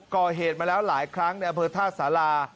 ก็เหตุมาแล้วหลายครั้งในอเภอธาตุศาลา